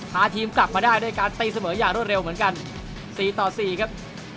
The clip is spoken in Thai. พาทีมกลับมาได้ด้วยการตีเสมออย่างรวดเร็วเหมือนกัน๔ต่อ๔ครับ